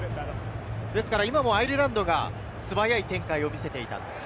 今もアイルランドが素早い展開を見せていた。